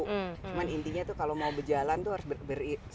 cuma intinya tuh kalau mau berjalan tuh harus berseiring seiring